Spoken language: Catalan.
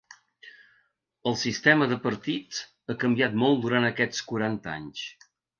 El sistema de partits ha canviat molt durant aquests quaranta anys.